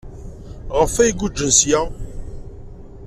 Maɣef ay guǧǧen seg-a?